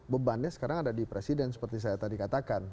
bebannya sekarang ada di presiden seperti saya tadi katakan